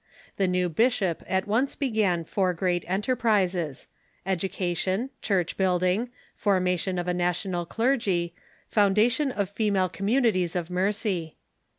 The new bishop at once began four great enterprises : education, church building, formation of a national clergy, foundation of female communities of mercy.